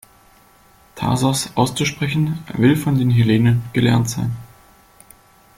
Thasos auszusprechen will von den Hellenen gelernt sein.